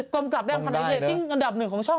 กำกับดังขนาดนี้สินี่อันดับหนึ่งของช่อง